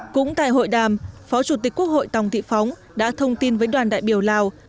cũng tại hội đàm phó chủ tịch quốc hội tòng thị phóng đã thông tin với đoàn đại biểu lào